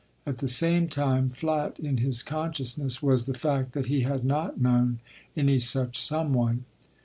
At the same time flat in his consciousness was the fact that he had not known any such "some one."